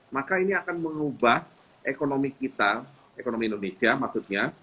maka ini akan mengubah ekonomi kita ekonomi indonesia maksudnya